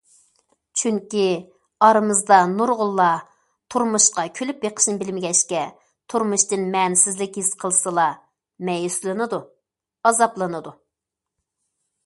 چۈنكى، ئارىمىزدا نۇرغۇنلار تۇرمۇشقا كۈلۈپ بېقىشنى بىلمىگەچكە، تۇرمۇشتىن مەنىسىزلىك ھېس قىلسىلا، مەيۈسلىنىدۇ، ئازابلىنىدۇ.